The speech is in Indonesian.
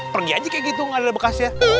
pergi aja kayak gitu gak ada bekasnya